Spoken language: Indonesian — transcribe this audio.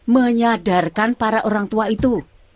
menyadarkan para orang tua itu